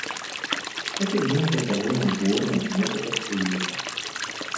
Этот день был довольно бурный в некоторых уездах.